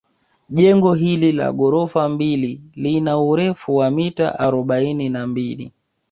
Jengo hili la ghorofa mbili lina urefu wa mita arobaini na mbili